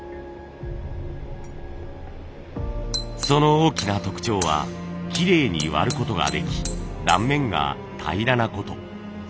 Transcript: その大きな特徴はきれいに割ることができ断面が平らなこと。